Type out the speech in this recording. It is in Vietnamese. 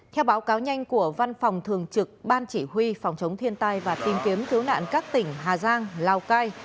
theo báo cáo nhanh của văn phòng thường trực ban chỉ huy phòng chống thiên tai và tìm kiếm cứu nạn các tỉnh hà giang lào cai